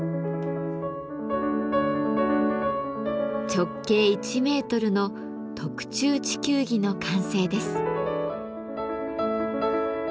直径１メートルの特注地球儀の完成です。